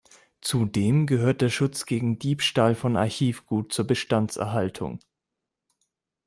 Zudem gehört der Schutz gegen Diebstahl von Archivgut zur Bestandserhaltung.